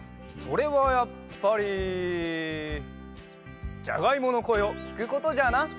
それはやっぱりじゃがいものこえをきくことじゃな。